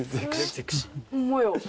ホンマや。